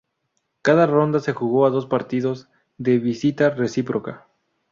Cada ronda se jugó a dos partidos, de visita recíproca.